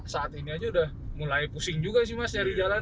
saat ini aja udah mulai pusing juga sih mas nyari jalan